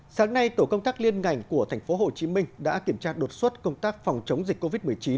sáng nay tổ công tác liên ngành của tp hcm đã kiểm tra đột xuất công tác phòng chống dịch covid một mươi chín